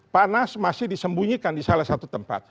panas masih disembunyikan di salah satu tempat